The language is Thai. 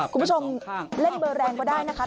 คุณผู้ชมเล่นเบอร์แรงก็ได้นะคะ